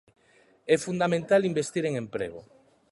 É fundamental investir en emprego.